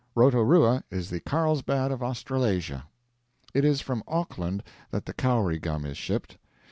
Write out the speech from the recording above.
Rotorua is the Carlsbad of Australasia. It is from Auckland that the Kauri gum is shipped.